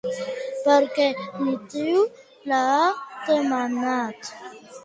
Per quin motiu ho ha demanat?